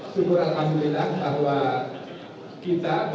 syukur alhamdulillah bahwa kita baru saja